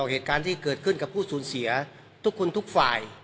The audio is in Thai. เหตุการณ์ที่เกิดขึ้นกับผู้สูญเสียทุกคนทุกฝ่าย